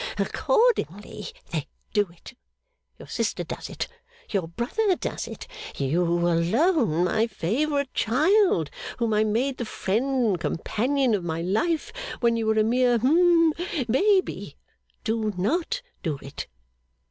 'Accordingly, they do it. Your sister does it. Your brother does it. You alone, my favourite child, whom I made the friend and companion of my life when you were a mere hum Baby, do not do it.